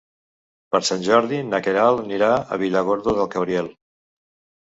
Per Sant Jordi na Queralt anirà a Villargordo del Cabriel.